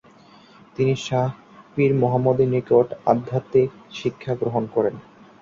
তিনি শাহ পীর মোহাম্মদের নিকট আধ্যাত্মিক শিক্ষা গ্রহণ করেন।